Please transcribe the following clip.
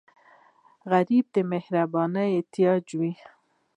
غریب د مهربانۍ محتاج وي